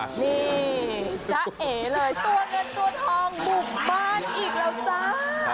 นี่จ๊ะเอ๋เลยตัวเงินตัวทองบุกบ้านอีกแล้วจ้า